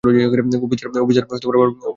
অফিসাররা বারবার ফোন করছে।